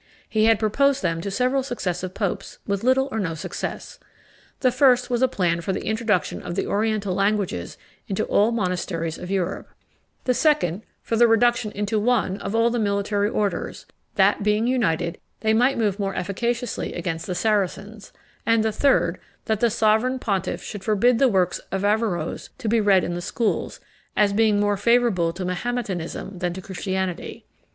He had proposed them to several successive popes with little or no success. The first was a plan for the introduction of the oriental languages into all the monasteries of Europe; the second, for the reduction into one of all the military orders, that, being united, they might move more efficaciously against the Saracens; and the third, that the sovereign pontiff should forbid the works of Averroes to be read in the schools, as being more favourable to Mahometanism than to Christianity.